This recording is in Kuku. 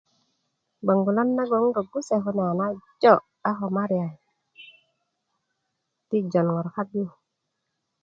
bogolan nagon na rogu se kune a na jo a ko Marian ti jon ŋor kak yu